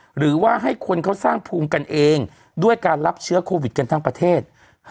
หรือว่าให้คนเขาสร้างภูมิกันเองด้วยการรับเชื้อโควิดกันทั้งประเทศ